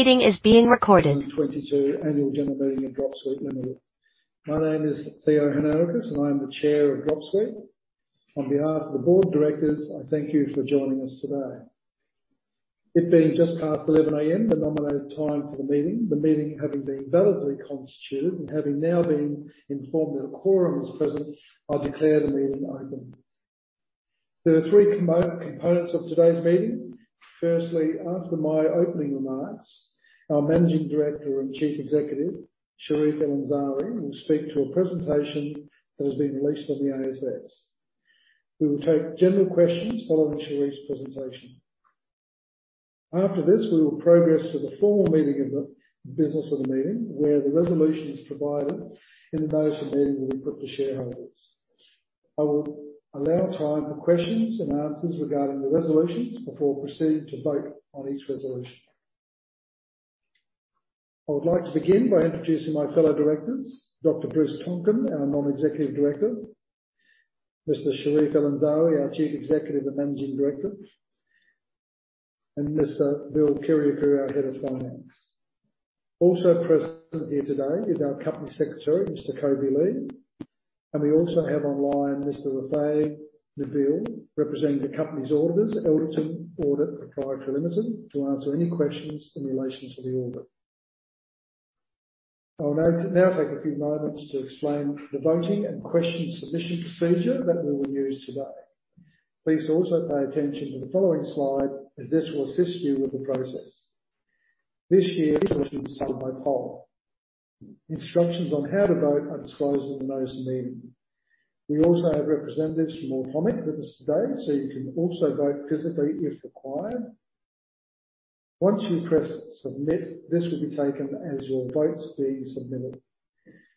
This meeting is being recorded. 2022 annual general meeting of Dropsuite Limited. My name is Theo Hnarakis, and I am the Chair of Dropsuite. On behalf of the board of directors, I thank you for joining us today. It being just past 11 A.M., the nominated time for the meeting. The meeting having been validly constituted and having now been informed that a quorum is present, I declare the meeting open. There are three components of today's meeting. Firstly, after my opening remarks, our Managing Director and Chief Executive, Charif El-Ansari, will speak to a presentation that has been released on the ASX. We will take general questions following Charif's presentation. After this, we will progress to the formal meeting of the business of the meeting, where the resolutions provided in the notice of meeting will be put to shareholders. I will allow time for questions and answers regarding the resolutions before proceeding to vote on each resolution. I would like to begin by introducing my fellow directors, Dr. Bruce Tonkin, our Non-Executive Director, Mr. Charif El-Ansari, our Chief Executive and Managing Director, and Mr. Bill Kyriacou, our Head of Finance. Also present here today is our Company Secretary, Mr. Kobe Li. We also have online Mr. Rafay Nabeel, representing the company's auditors, Elderton Audit Pty Ltd, to answer any questions in relation to the audit. I will now take a few moments to explain the voting and question submission procedure that we will use today. Please also pay attention to the following slide, as this will assist you with the process. This year's meeting is done by poll. Instructions on how to vote are disclosed in the notice of meeting. We also have representatives from Automic with us today, so you can also vote physically if required. Once you press Submit, this will be taken as your votes being submitted.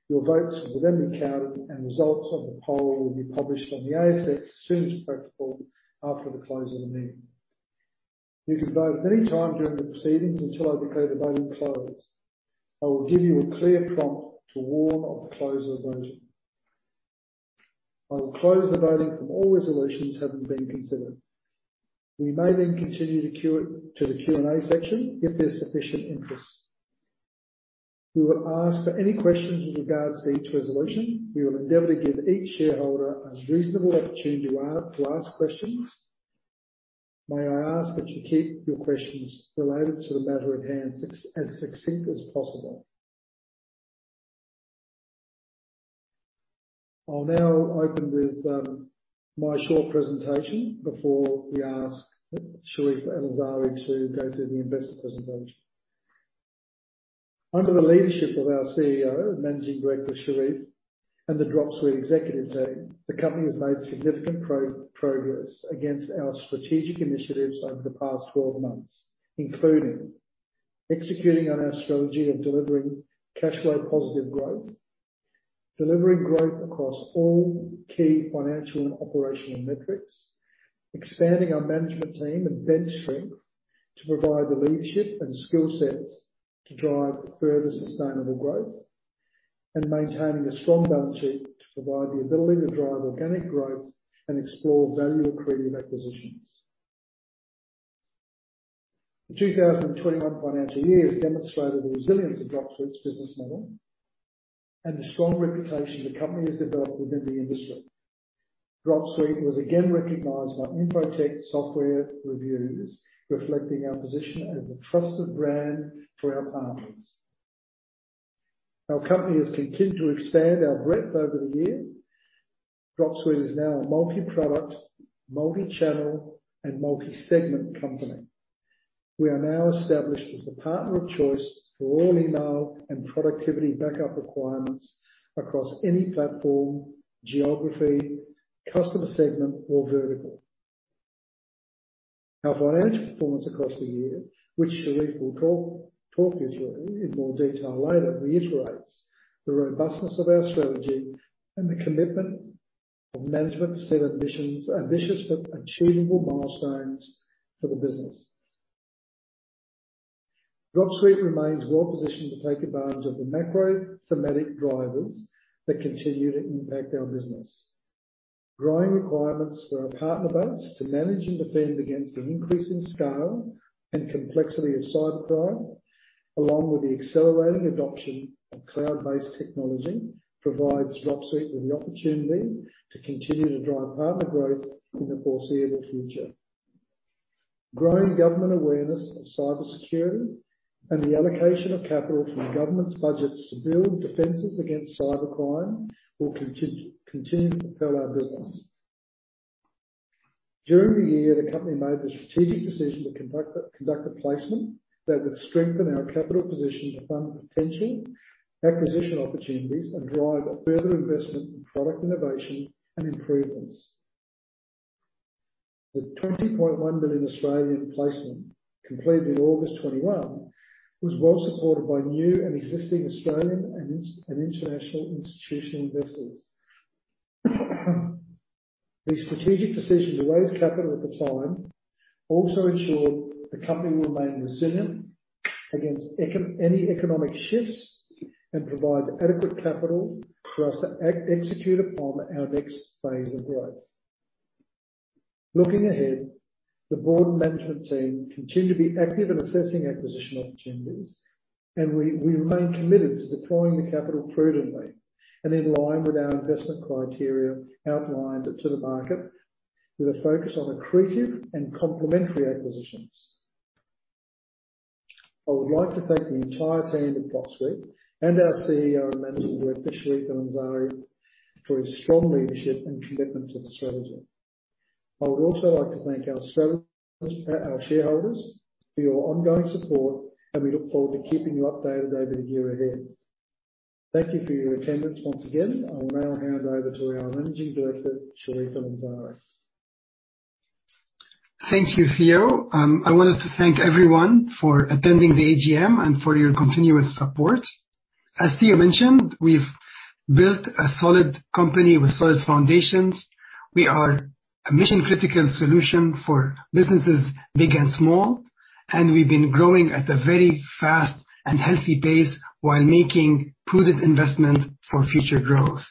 Your votes will then be counted, and results of the poll will be published on the ASX as soon as practical after the close of the meeting. You can vote at any time during the proceedings until I declare the voting closed. I will give you a clear prompt to warn of the close of voting. I will close the voting from all resolutions having been considered. We may then continue to the Q&A section if there's sufficient interest. We will ask for any questions with regards to each resolution. We will endeavor to give each shareholder a reasonable opportunity to ask questions. May I ask that you keep your questions related to the matter at hand as succinct as possible. I'll now open with my short presentation before we ask Charif El-Ansari to go through the investor presentation. Under the leadership of our CEO and Managing Director, Charif, and the Dropsuite executive team, the company has made significant progress against our strategic initiatives over the past 12 months, including executing on our strategy of delivering cash flow positive growth, delivering growth across all key financial and operational metrics. Expanding our management team and bench strength to provide the leadership and skill sets to drive further sustainable growth, and maintaining a strong balance sheet to provide the ability to drive organic growth and explore value-accretive acquisitions. The 2021 financial year has demonstrated the resilience of Dropsuite's business model and the strong reputation the company has developed within the industry. Dropsuite was again recognized by Info-Tech Software Reviews, reflecting our position as a trusted brand for our partners. Our company has continued to expand our breadth over the year. Dropsuite is now a multi-product, multi-channel, and multi-segment company. We are now established as a partner of choice for all email and productivity backup requirements across any platform, geography, customer segment, or vertical. Our financial performance across the year, which Charif will talk you through in more detail later, reiterates the robustness of our strategy and the commitment of management to set ambitious but achievable milestones for the business. Dropsuite remains well positioned to take advantage of the macro thematic drivers that continue to impact our business. Growing requirements for our partner base to manage and defend against the increasing scale and complexity of cybercrime, along with the accelerating adoption of cloud-based technology, provides Dropsuite with the opportunity to continue to drive partner growth in the foreseeable future. Growing government awareness of cybersecurity and the allocation of capital from government's budgets to build defenses against cybercrime will continue to propel our business. During the year, the company made the strategic decision to conduct a placement that would strengthen our capital position to fund potential acquisition opportunities and drive further investment in product innovation and improvements. The 20.1 million placement completed in August 2021 was well supported by new and existing Australian and international institutional investors. The strategic decision to raise capital at the time also ensured the company remained resilient against any economic shifts and provides adequate capital for us to execute upon our next phase of growth. Looking ahead, the board management team continue to be active in assessing acquisition opportunities, and we remain committed to deploying the capital prudently and in line with our investment criteria outlined to the market with a focus on accretive and complementary acquisitions. I would like to thank the entire team at Dropsuite and our CEO and Managing Director, Charif El-Ansari, for his strong leadership and commitment to the strategy. I would also like to thank our shareholders for your ongoing support, and we look forward to keeping you updated over the year ahead. Thank you for your attendance once again. I will now hand over to our Managing Director, Charif El-Ansari. Thank you, Theo. I wanted to thank everyone for attending the AGM and for your continuous support. As Theo mentioned, we've built a solid company with solid foundations. We are a mission-critical solution for businesses big and small, and we've been growing at a very fast and healthy pace while making prudent investment for future growth.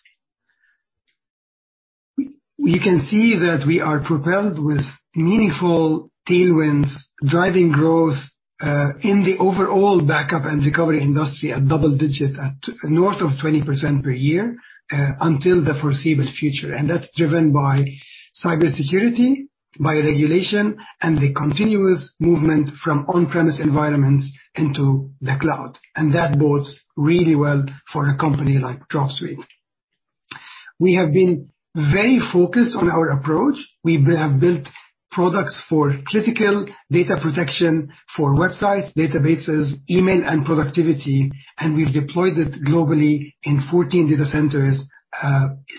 We can see that we are propelled with meaningful tailwinds driving growth in the overall backup and recovery industry at a double-digit rate north of 20% per year until the foreseeable future. That's driven by cybersecurity, by regulation, and the continuous movement from on-premise environments into the cloud. That bodes really well for a company like Dropsuite. We have been very focused on our approach. We have built products for critical data protection for websites, databases, email, and productivity, and we've deployed it globally in 14 data centers,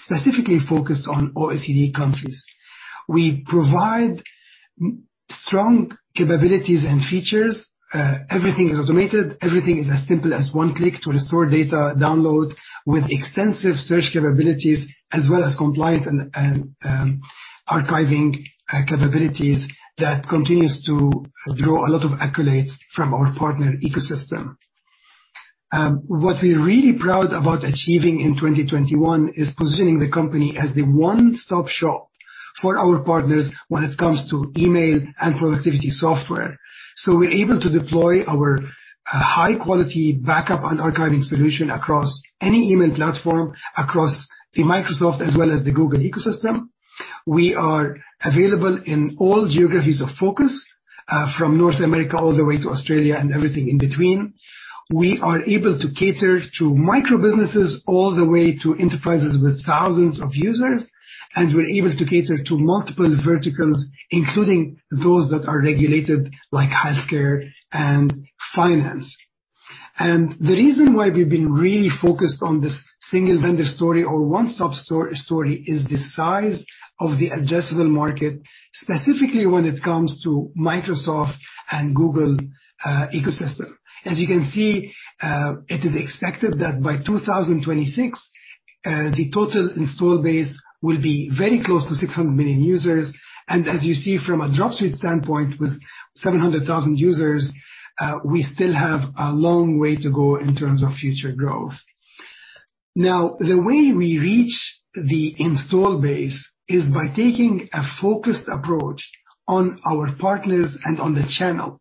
specifically focused on OECD countries. We provide strong capabilities and features. Everything is automated. Everything is as simple as one click to restore data download with extensive search capabilities as well as compliance and archiving capabilities that continues to draw a lot of accolades from our partner ecosystem. What we're really proud about achieving in 2021 is positioning the company as the one-stop shop for our partners when it comes to email and productivity software. We're able to deploy our high-quality backup and archiving solution across any email platform, across the Microsoft as well as the Google ecosystem. We are available in all geographies of focus, from North America all the way to Australia and everything in between. We are able to cater to micro businesses all the way to enterprises with thousands of users, and we're able to cater to multiple verticals, including those that are regulated like healthcare and finance. The reason why we've been really focused on this single vendor story or one-stop story is the size of the addressable market, specifically when it comes to Microsoft and Google ecosystem. As you can see, it is expected that by 2026, the total install base will be very close to 600 million users. As you see from a Dropsuite standpoint, with 700,000 users, we still have a long way to go in terms of future growth. Now, the way we reach the installed base is by taking a focused approach on our partners and on the channel.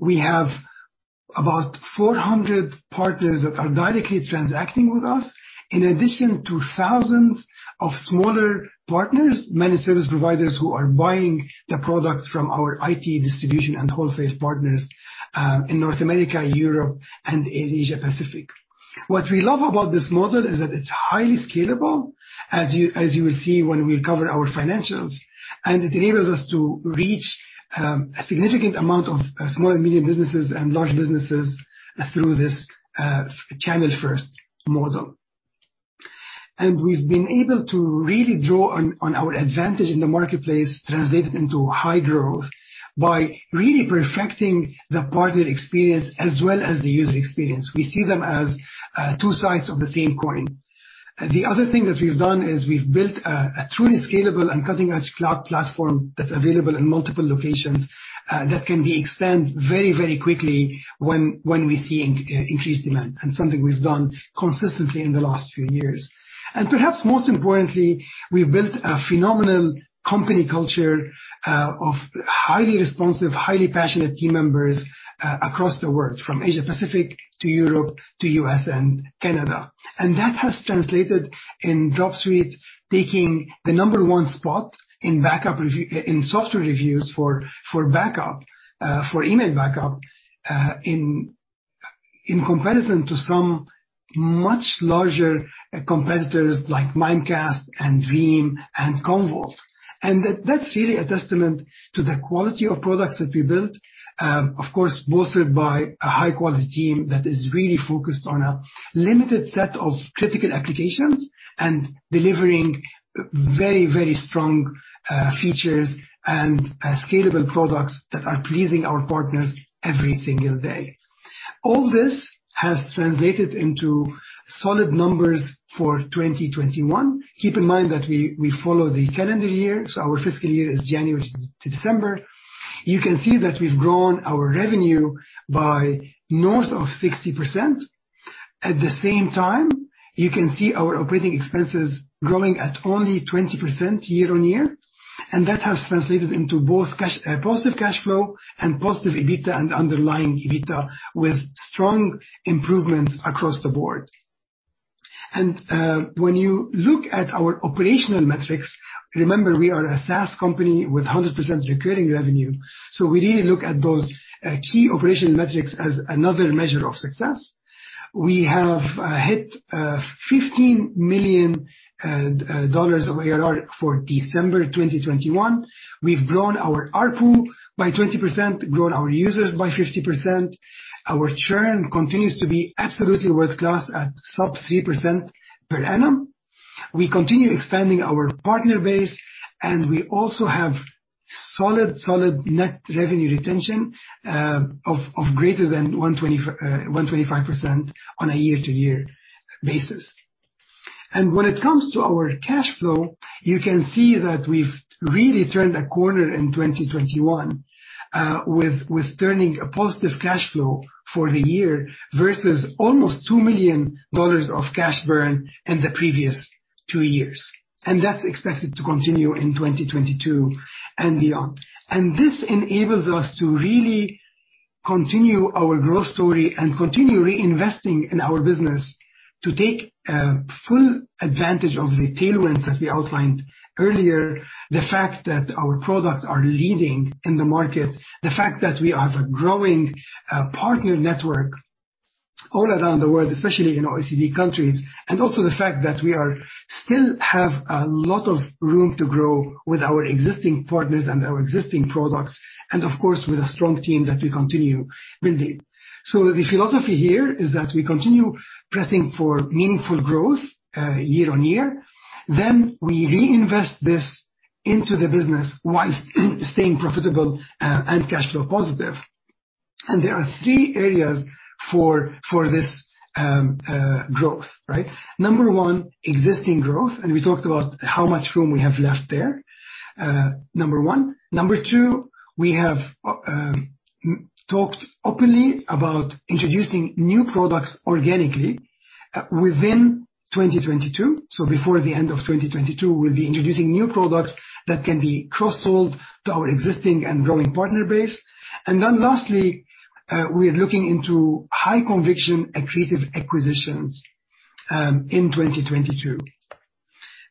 We have about 400 partners that are directly transacting with us, in addition to thousands of smaller partners, managed service providers who are buying the product from our IT distribution and wholesale partners, in North America, Europe, and in Asia Pacific. What we love about this model is that it's highly scalable, as you will see when we cover our financials, and it enables us to reach a significant amount of small and medium businesses and large businesses through this channel-first model. We've been able to really draw on our advantage in the marketplace, translate it into high growth by really perfecting the partner experience as well as the user experience. We see them as two sides of the same coin. The other thing that we've done is we've built a truly scalable and cutting-edge cloud platform that's available in multiple locations that can be expanded very quickly when we see increased demand, and something we've done consistently in the last few years. Perhaps most importantly, we've built a phenomenal company culture of highly responsive, highly passionate team members across the world, from Asia Pacific to Europe, to U.S. and Canada. That has translated in Dropsuite taking the number one spot in software reviews for backup for email backup in comparison to some much larger competitors like Mimecast and Veeam and Commvault. That's really a testament to the quality of products that we built, of course, boosted by a high-quality team that is really focused on a limited set of critical applications and delivering very, very strong features and scalable products that are pleasing our partners every single day. All this has translated into solid numbers for 2021. Keep in mind that we follow the calendar year, so our fiscal year is January to December. You can see that we've grown our revenue by north of 60%. At the same time, you can see our operating expenses growing at only 20% year-on-year, and that has translated into both cash positive cash flow and positive EBITDA and underlying EBITDA with strong improvements across the board. When you look at our operational metrics, remember, we are a SaaS company with 100% recurring revenue. We really look at those key operational metrics as another measure of success. We have hit 15 million dollars of ARR for December 2021. We've grown our ARPU by 20%, grown our users by 50%. Our churn continues to be absolutely world-class at sub-3% per annum. We continue expanding our partner base, and we also have solid net revenue retention of greater than 125% on a year-to-year basis. When it comes to our cash flow, you can see that we've really turned a corner in 2021 with turning a positive cash flow for the year versus almost 2 million dollars of cash burn in the previous two years. That's expected to continue in 2022 and beyond. This enables us to really continue our growth story and continue reinvesting in our business to take full advantage of the tailwinds that we outlined earlier. The fact that our products are leading in the market, the fact that we have a growing partner network all around the world, especially in OECD countries, and also the fact that we still have a lot of room to grow with our existing partners and our existing products, and of course, with a strong team that we continue building. The philosophy here is that we continue pressing for meaningful growth year-on-year. We reinvest this into the business while staying profitable and cash flow positive. There are three areas for this growth, right? Number one, existing growth, and we talked about how much room we have left there. Number two, we have talked openly about introducing new products organically within 2022. Before the end of 2022, we'll be introducing new products that can be cross-sold to our existing and growing partner base. Lastly, we are looking into high conviction, accretive acquisitions in 2022.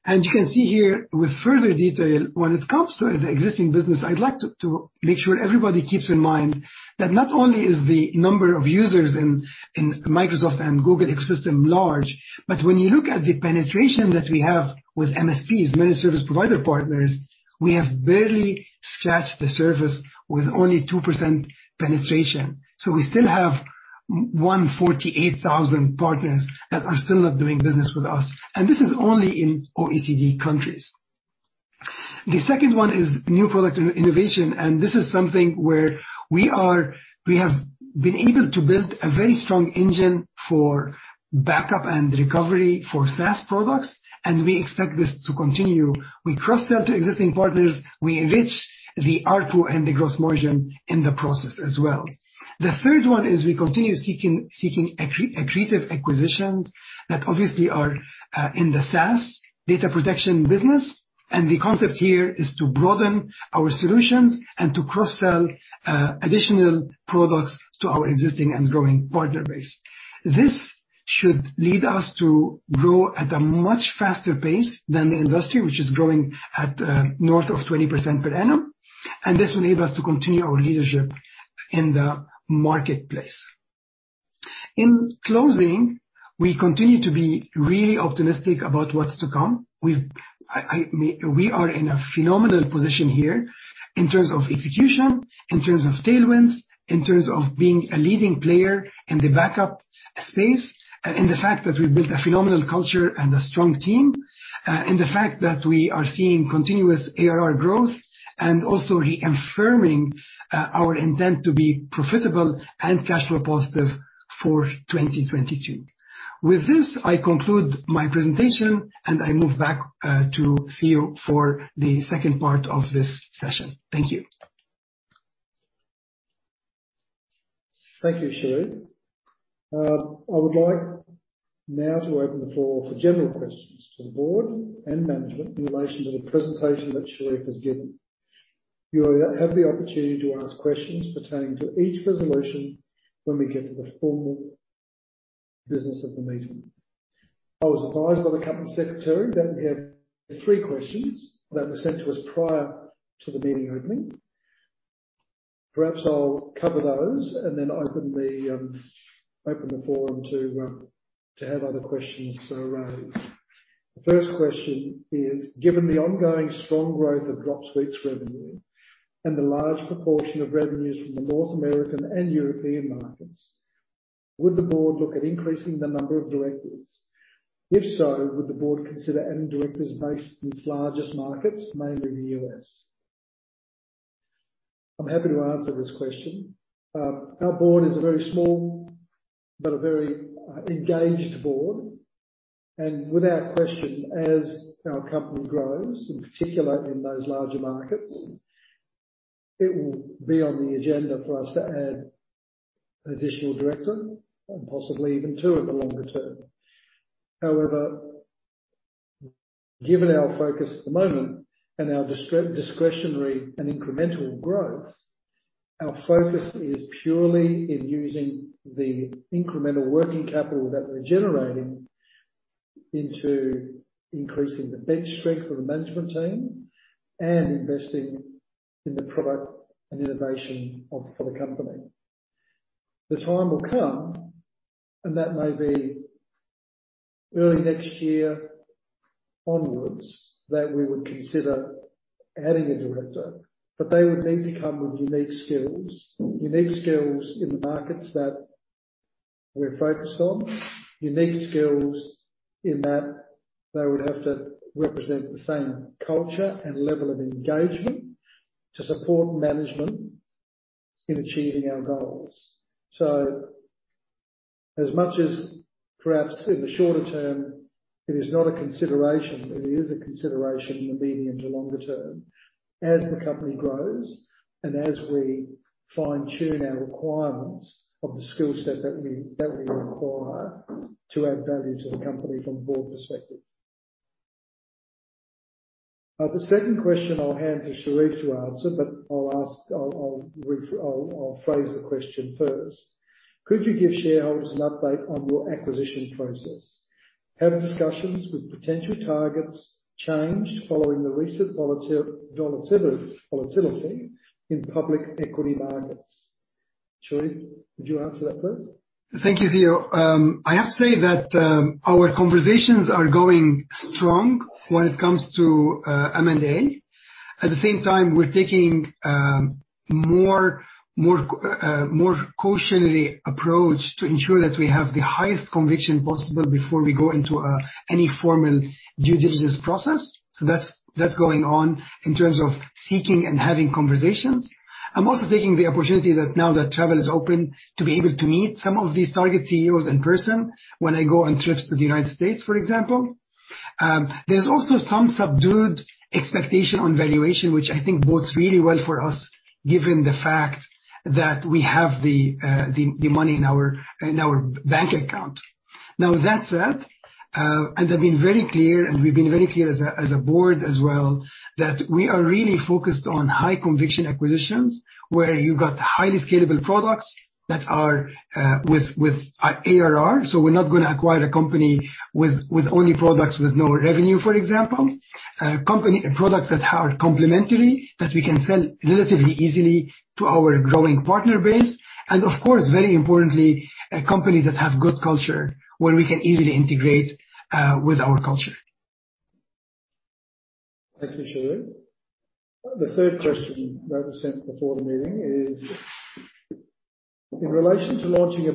You can see here with further detail when it comes to the existing business. I'd like to make sure everybody keeps in mind that not only is the number of users in Microsoft and Google ecosystem large, but when you look at the penetration that we have with MSPs, Managed Service Providers, we have barely scratched the surface with only 2% penetration. We still have 148,000 partners that are still not doing business with us, and this is only in OECD countries. The second one is new product innovation, and this is something where we have been able to build a very strong engine for backup and recovery for SaaS products, and we expect this to continue. We cross-sell to existing partners. We enrich the ARPU and the gross margin in the process as well. The third one is we continue seeking accretive acquisitions that obviously are in the SaaS data protection business. The concept here is to broaden our solutions and to cross-sell additional products to our existing and growing partner base. This should lead us to grow at a much faster pace than the industry, which is growing at north of 20% per annum, and this will enable us to continue our leadership in the marketplace. In closing, we continue to be really optimistic about what's to come. We are in a phenomenal position here in terms of execution, in terms of tailwinds, in terms of being a leading player in the backup space, and in the fact that we've built a phenomenal culture and a strong team, in the fact that we are seeing continuous ARR growth and also reaffirming our intent to be profitable and cash flow positive for 2022. With this, I conclude my presentation, and I move back to Theo for the second part of this session. Thank you. Thank you, Charif. I would like now to open the floor for general questions to the board and management in relation to the presentation that Charif has given. You will have the opportunity to ask questions pertaining to each resolution when we get to the formal business of the meeting. I was advised by the company secretary that we have three questions that were sent to us prior to the meeting opening. Perhaps I'll cover those and then open the forum to have other questions raised. The first question is: Given the ongoing strong growth of Dropsuite's revenue and the large proportion of revenues from the North American and European markets, would the board look at increasing the number of directors? If so, would the board consider adding directors based in its largest markets, mainly in the U.S.? I'm happy to answer this question. Our board is a very small but a very engaged board. Without question, as our company grows, in particular in those larger markets, it will be on the agenda for us to add an additional director and possibly even two in the longer term. However, given our focus at the moment and our discretionary and incremental growth, our focus is purely in using the incremental working capital that we're generating into increasing the bench strength of the management team and investing in the product and innovation for the company. The time will come, and that may be early next year onwards, that we would consider adding a director, but they would need to come with unique skills in the markets that we're focused on. Unique skills in that they would have to represent the same culture and level of engagement to support management in achieving our goals. As much as perhaps in the shorter term, it is not a consideration, it is a consideration in the medium to longer term as the company grows and as we fine-tune our requirements of the skill set that we require to add value to the company from a board perspective. The second question I'll hand to Charif to answer, but I'll phrase the question first. Could you give shareholders an update on your acquisition process? Have discussions with potential targets changed following the recent volatility in public equity markets? Charif, would you answer that, please? Thank you, Theo. I have to say that our conversations are going strong when it comes to M&A. At the same time, we're taking a more cautious approach to ensure that we have the highest conviction possible before we go into any formal due diligence process. That's going on in terms of seeking and having conversations. I'm also taking the opportunity that now that travel is open, to be able to meet some of these target CEOs in person when I go on trips to the United States, for example. There's also some subdued expectation on valuation, which I think bodes really well for us, given the fact that we have the money in our bank account. Now, that said, I've been very clear and we've been very clear as a board as well, that we are really focused on high conviction acquisitions, where you've got highly scalable products that are with ARR. We're not gonna acquire a company with only products with no revenue, for example. Products that are complementary, that we can sell relatively easily to our growing partner base, and of course, very importantly, companies that have good culture, where we can easily integrate with our culture. Thank you, Charif. The third question that was sent before the meeting is in relation to launching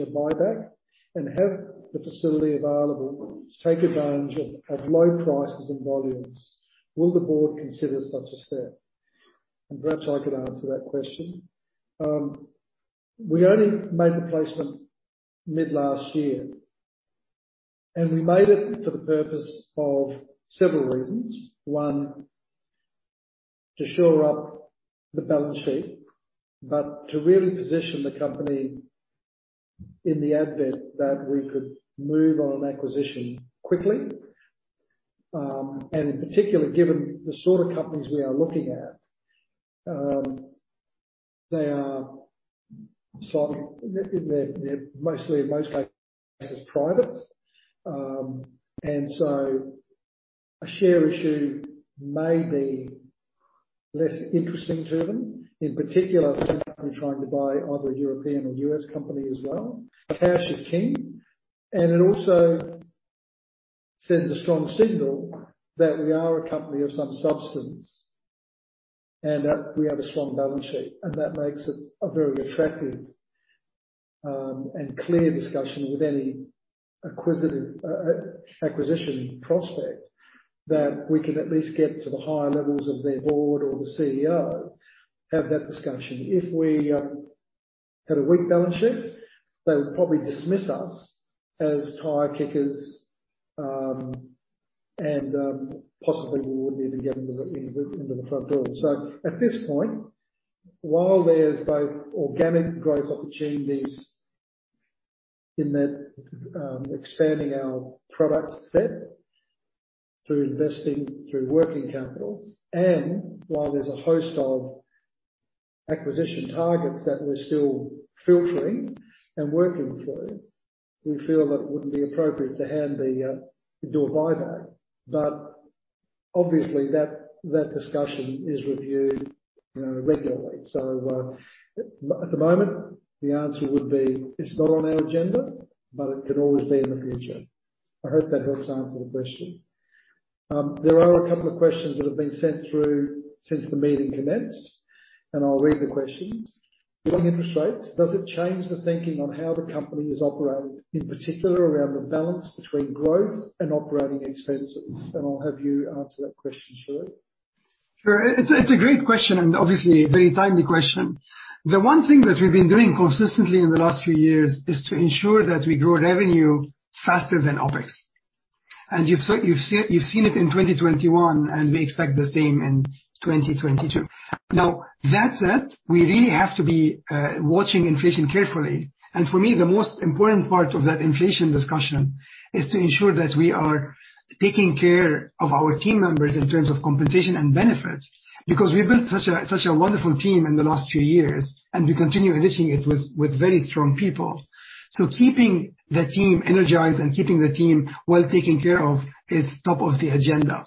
a buyback and have the facility available to take advantage of low prices and volumes. Will the board consider such a step? Perhaps I could answer that question. We only made the placement mid last year, and we made it for the purpose of several reasons. One, to shore up the balance sheet, but to really position the company in the event that we could move on an acquisition quickly. In particular, given the sort of companies we are looking at, they are sort of in their mostly, in most cases, private. A share issue may be less interesting to them. In particular, if we're trying to buy either a European or US company as well. Cash is king, and it also sends a strong signal that we are a company of some substance and that we have a strong balance sheet. That makes it a very attractive and clear discussion with any acquisition prospect that we can at least get to the higher levels of their board or the CEO, have that discussion. If we had a weak balance sheet, they would probably dismiss us as tire kickers and possibly we wouldn't even get into the front door. At this point, while there's both organic growth opportunities in that expanding our product set through investing through working capital, and while there's a host of acquisition targets that we're still filtering and working through. We feel that it wouldn't be appropriate to do a buyback. But obviously that discussion is reviewed, you know, regularly. At the moment, the answer would be, it's not on our agenda, but it could always be in the future. I hope that helps answer the question. There are a couple of questions that have been sent through since the meeting commenced, and I'll read the questions. With interest rates, does it change the thinking on how the company is operated, in particular around the balance between growth and operating expenses? And I'll have you answer that question, Charif. Sure. It's a great question, and obviously a very timely question. The one thing that we've been doing consistently in the last few years is to ensure that we grow revenue faster than OpEx. You've seen it in 2021, and we expect the same in 2022. Now, that said, we really have to be watching inflation carefully. For me, the most important part of that inflation discussion is to ensure that we are taking care of our team members in terms of compensation and benefits, because we built such a wonderful team in the last few years, and we continue enriching it with very strong people. Keeping the team energized and keeping the team well taken care of is top of the agenda.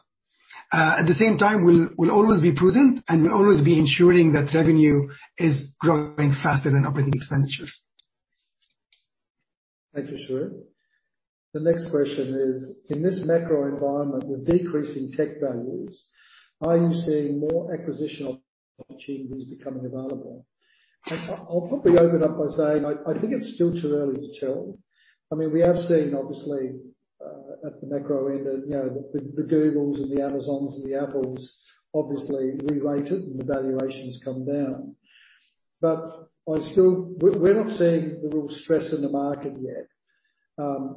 At the same time, we'll always be prudent and we'll always be ensuring that revenue is growing faster than operating expenditures. Thank you, Charif. The next question is, in this macro environment with decreasing tech values, are you seeing more acquisitional opportunities becoming available? I'll probably open up by saying I think it's still too early to tell. I mean, we are seeing obviously at the macro end that, you know, Google, Amazon, and Apple obviously re-rated and the valuations come down. But we're not seeing the real stress in the market yet,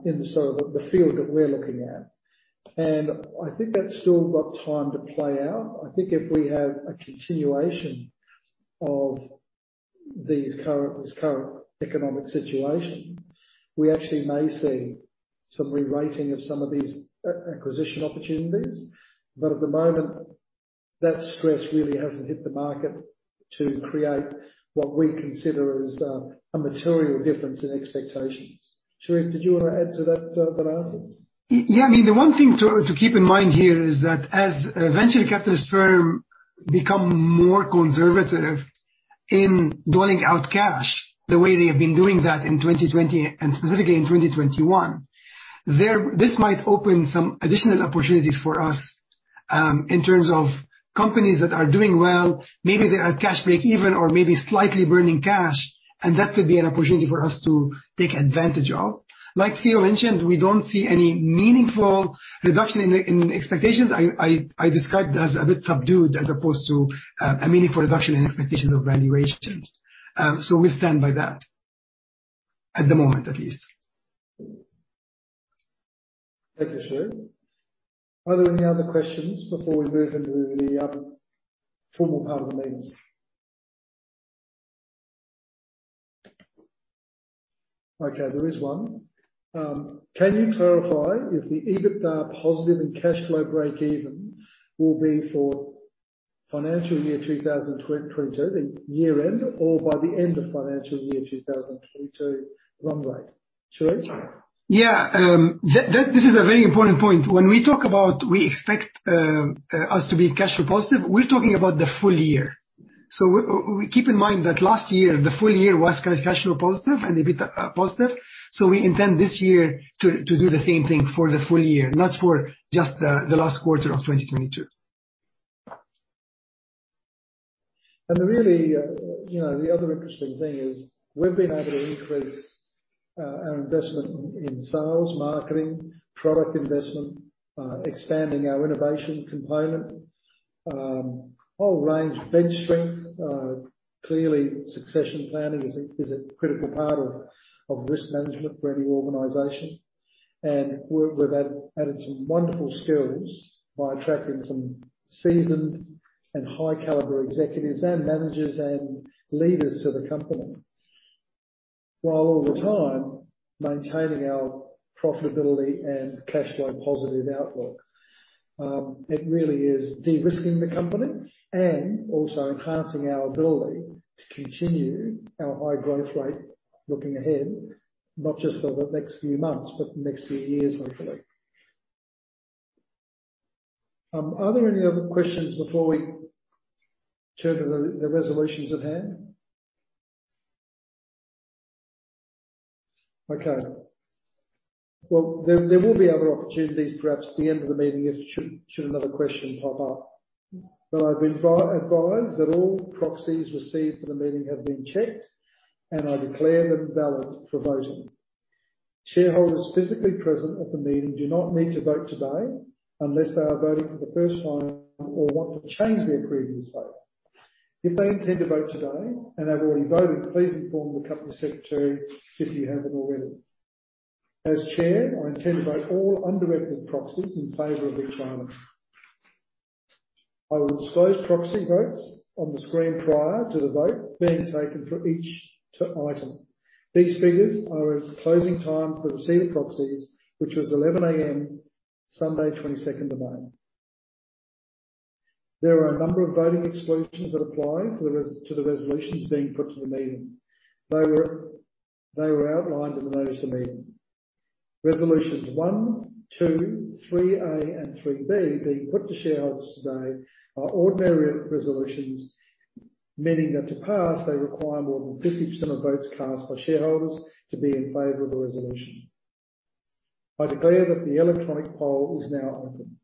in the sort of field that we're looking at. I think that's still got time to play out. I think if we have a continuation of this current economic situation, we actually may see some rewriting of some of these acquisition opportunities. At the moment, that stress really hasn't hit the market to create what we consider as a material difference in expectations. Charif, did you wanna add to that answer? Yeah. I mean, the one thing to keep in mind here is that as venture capital firms become more conservative in doling out cash the way they have been doing that in 2020 and specifically in 2021, this might open some additional opportunities for us in terms of companies that are doing well. Maybe they are cash break-even or maybe slightly burning cash, and that could be an opportunity for us to take advantage of. Like Theo mentioned, we don't see any meaningful reduction in expectations. I described as a bit subdued as opposed to a meaningful reduction in expectations of valuations. So we stand by that, at the moment, at least. Thank you, Charif. Are there any other questions before we move into the other formal part of the meeting? Okay, there is one. Can you clarify if the EBITDA positive and cash flow break even will be for financial year 2022, the year end, or by the end of financial year 2022 run rate? Charif? This is a very important point. When we talk about we expect us to be cash flow positive, we're talking about the full year. We keep in mind that last year, the full year was cash flow positive and EBITDA positive. We intend this year to do the same thing for the full year, not for just the last quarter of 2022. Really, you know, the other interesting thing is, we've been able to increase our investment in sales, marketing, product investment, expanding our innovation component, whole range of bench strength. Clearly, succession planning is a critical part of risk management for any organization. We've added some wonderful skills by attracting some seasoned and high caliber executives and managers and leaders to the company, while all the time maintaining our profitability and cash flow positive outlook. It really is de-risking the company and also enhancing our ability to continue our high growth rate looking ahead, not just for the next few months, but the next few years, hopefully. Are there any other questions before we turn to the resolutions at hand? Okay. Well, there will be other opportunities, perhaps the end of the meeting if another question should pop up. I've been advised that all proxies received for the meeting have been checked, and I declare them valid for voting. Shareholders physically present at the meeting do not need to vote today unless they are voting for the first time or want to change their previous vote. If they intend to vote today and have already voted, please inform the Company Secretary, if you haven't already. As Chair, I intend to vote all undirected proxies in favor of each item. I will disclose proxy votes on the screen prior to the vote being taken for each item. These figures are at closing time for received proxies, which was 11:00 A.M., Sunday, 22nd May . There are a number of voting exclusions that apply to the resolutions being put to the meeting. They were outlined in the notice of meeting. Resolutions one, two, three A, and three B being put to shareholders today are ordinary resolutions, meaning that to pass, they require more than 50% of votes cast by shareholders to be in favor of the resolution. I declare that the electronic poll is now open.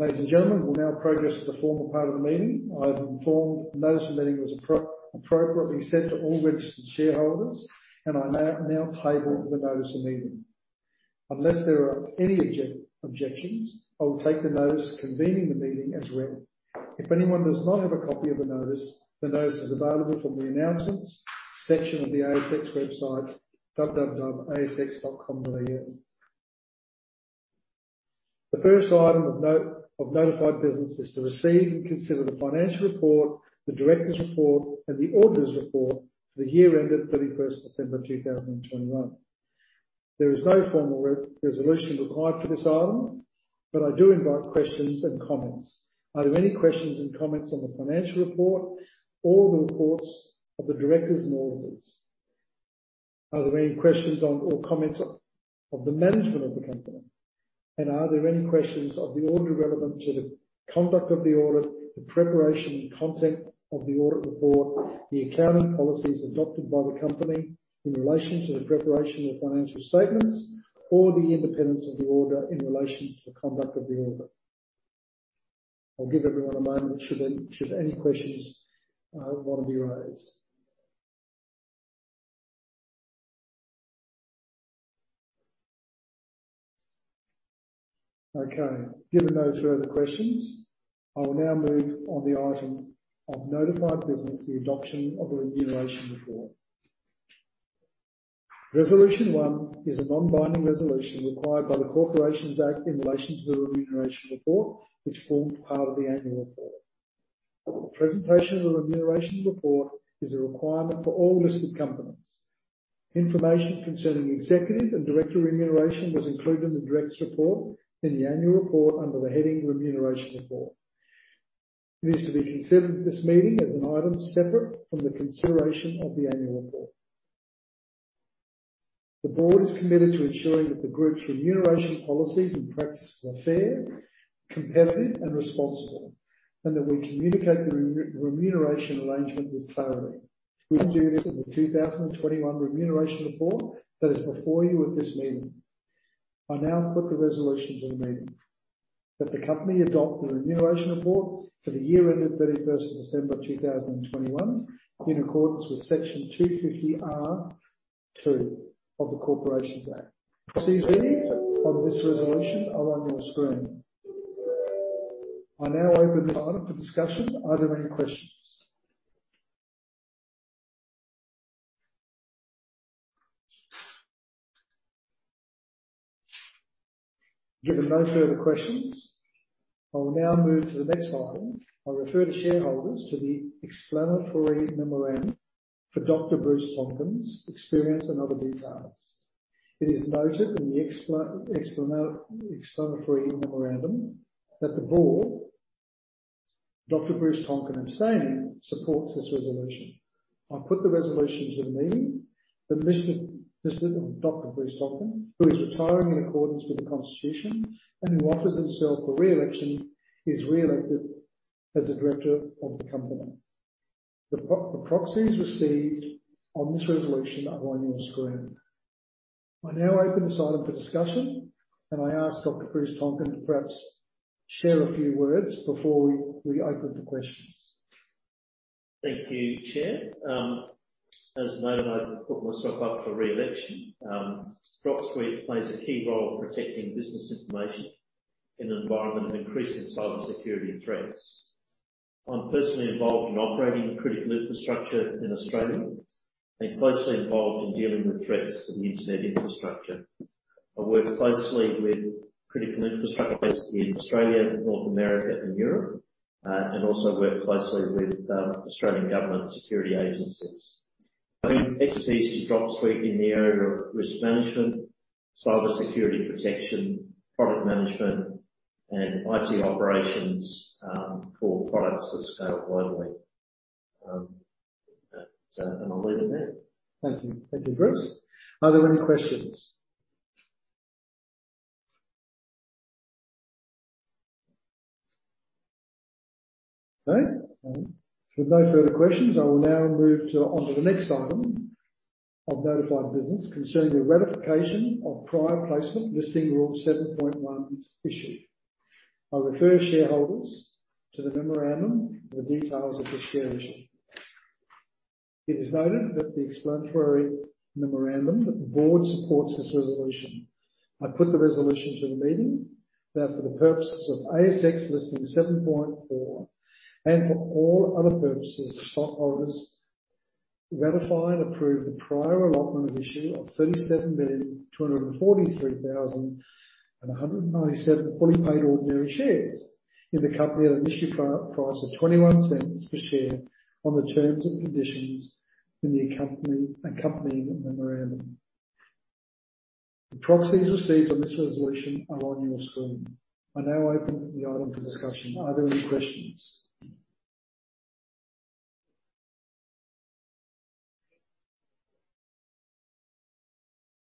Ladies and gentlemen, we'll now progress to the formal part of the meeting. I have informed the notice of meeting was appropriately sent to all registered shareholders, and I now table the notice of meeting. Unless there are any objections, I will take the notice convening the meeting as read. If anyone does not have a copy of the notice, the notice is available from the announcements section of the ASX website www.asx.com.au. The first item of notice of notified business is to receive and consider the financial report, the directors' report, and the auditor's report for the year ended 31st December 2021. There is no formal resolution required for this item, but I do invite questions and comments. Are there any questions and comments on the financial report or the reports of the directors and auditors? Are there any questions on or comments on the management of the company? Are there any questions of the auditor relevant to the conduct of the audit, the preparation and content of the audit report, the accounting policies adopted by the company in relation to the preparation of financial statements or the independence of the auditor in relation to the conduct of the audit? I'll give everyone a moment should any questions want to be raised. Okay. Given no further questions, I will now move on the item of notified business, the adoption of the remuneration report. Resolution one is a non-binding resolution required by the Corporations Act in relation to the remuneration report, which forms part of the annual report. Presentation of the remuneration report is a requirement for all listed companies. Information concerning executive and director remuneration was included in the directors' report in the annual report under the heading Remuneration Report. It is to be considered at this meeting as an item separate from the consideration of the annual report. The board is committed to ensuring that the group's remuneration policies and practices are fair, competitive and responsible, and that we communicate the remuneration arrangement this thoroughly. We do this in the 2021 remuneration report that is before you at this meeting. I now put the resolution to the meeting that the company adopt the remuneration report for the year ended 31st December 2021 in accordance with Section 250R(2) of the Corporations Act. Details of this resolution are on your screen. I now open this item for discussion. Are there any questions? Given no further questions, I will now move to the next item. I refer the shareholders to the explanatory memorandum for Dr. Bruce Tonkin's experience and other details. It is noted in the explanatory memorandum that the board, Dr. Bruce Tonkin abstaining, supports this resolution. I put the resolution to the meeting that Dr. Bruce Tonkin, who is retiring in accordance with the constitution and who offers himself for re-election, is re-elected as a director of the company. The proxies received on this resolution are on your screen. I now open this item for discussion, and I ask Dr. Bruce Tonkin to perhaps share a few words before we open for questions. Thank you, Chair. As noted, I've put myself up for re-election. Dropsuite plays a key role in protecting business information in an environment of increasing cyber security and threats. I'm personally involved in operating critical infrastructure in Australia and closely involved in dealing with threats to the Internet infrastructure. I work closely with critical infrastructure, basically in Australia, North America and Europe, and also work closely with Australian government security agencies. I bring expertise to Dropsuite in the area of risk management, cyber security protection, product management and IT operations, for products that scale globally. I'll leave it there. Thank you. Thank you, Bruce. Are there any questions? Okay. With no further questions, I will now move on to the next item of notified business concerning the ratification of prior placement Listing Rule 7.1 issue. I refer shareholders to the memorandum for the details of this share issue. It is noted in the explanatory memorandum that the board supports this resolution. I put the resolution to the meeting that for the purposes of ASX Listing Rule 7.4 and for all other purposes, the shareholders ratify and approve the prior allotment and issue of 37,243,197 fully paid ordinary shares in the company at an issue price of 0.21 per share on the terms and conditions in the accompanying memorandum. The proxies received on this resolution are on your screen. I now open the item for discussion. Are there any questions?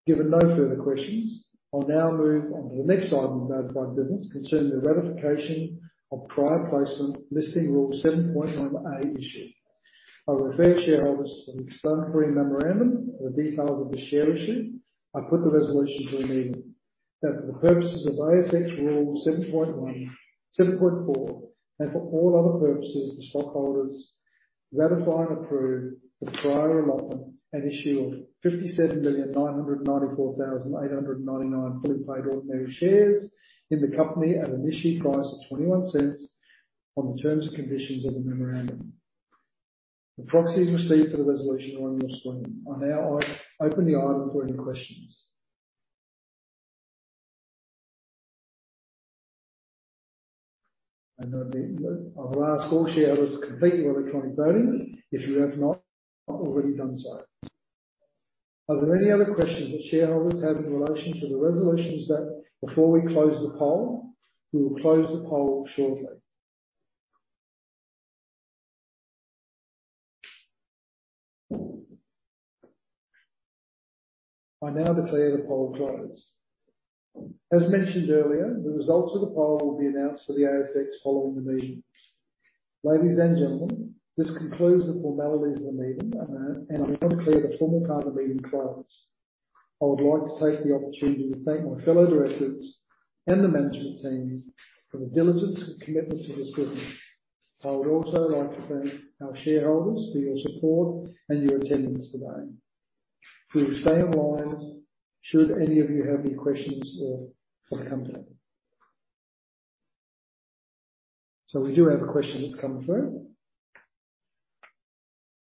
Given no further questions, I'll now move on to the next item of notified business concerning the ratification of prior placement Listing Rule 7.1A issue. I refer shareholders to the explanatory memorandum for the details of the share issue. I put the resolution to the meeting that for the purposes of ASX Listing Rule 7.1, 7.4, and for all other purposes, the shareholders ratify and approve the prior allotment and issue of 57,994,899 fully paid ordinary shares in the company at an issued price of 0.21 on the terms and conditions of the memorandum. The proxies received for the resolution are on your screen. I now open the item for any questions. I mean, I will ask all shareholders to complete your electronic voting if you have not already done so. Are there any other questions that shareholders have in relation to the resolutions that before we close the poll? We will close the poll shortly. I now declare the poll closed. As mentioned earlier, the results of the poll will be announced to the ASX following the meeting. Ladies and gentlemen, this concludes the formalities of the meeting, and I now declare the formal part of the meeting closed. I would like to take the opportunity to thank my fellow directors and the management team for the diligence and commitment to this business. I would also like to thank our shareholders for your support and your attendance today. We will stay online should any of you have any questions for the company. We do have a question that's come through.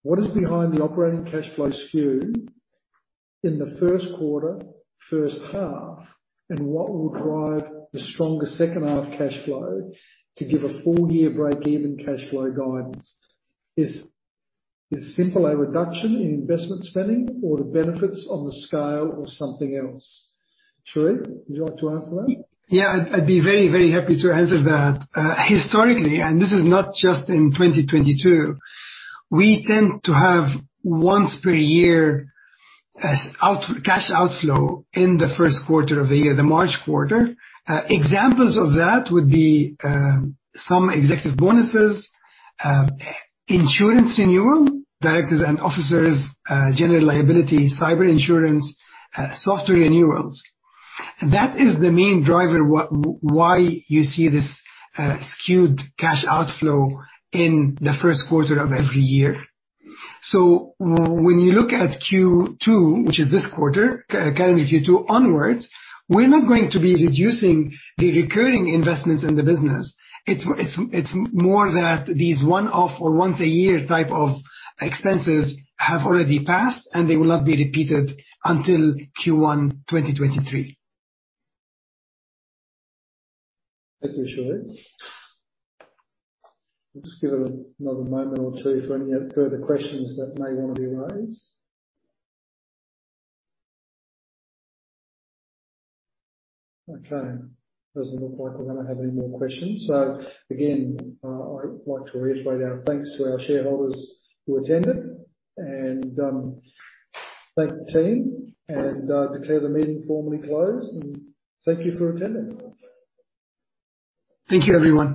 What is behind the operating cash flow skew in the first quarter, first half, and what will drive the stronger second half cash flow to give a full year breakeven cash flow guidance? Is simple a reduction in investment spending or the benefits on the scale or something else? Charif, would you like to answer that? Yeah. I'd be very, very happy to answer that. Historically, and this is not just in 2022, we tend to have once per year as cash outflow in the first quarter of the year, the March quarter. Examples of that would be some executive bonuses, insurance renewal, directors and officers, general liability, cyber insurance, software renewals. That is the main driver why you see this skewed cash outflow in the first quarter of every year. When you look at Q2, which is this quarter, calendar Q2 onwards, we're not going to be reducing the recurring investments in the business. It's more that these one-off or once a year type of expenses have already passed, and they will not be repeated until Q1, 2023. Thank you, Charif. I'll just give it another moment or two for any other further questions that may wanna be raised. Okay. Doesn't look like we're gonna have any more questions. Again, I'd like to reiterate our thanks to our shareholders who attended and thank the team and declare the meeting formally closed and thank you for attending. Thank you, everyone.